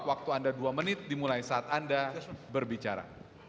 waktu anda dua menit dimulai saat anda berbicara